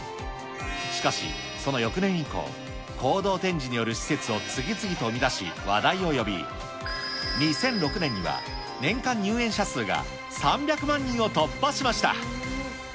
しかし、その翌年以降、行動展示による施設を次々と生み出し、話題を呼び、２００６年には年間入園者数が３００万人を突破しました。